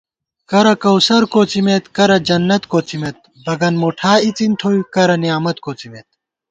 کرہ کوثر کوڅمېت کرہ جنّت کوڅمېت بگن مُٹھا اِڅن تھوئی کرہ نعمت کوڅمېت